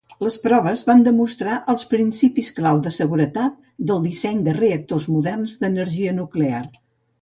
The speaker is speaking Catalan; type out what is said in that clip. Les proves van demostrar els principis clau de seguretat del disseny de reactors moderns d'energia nuclear.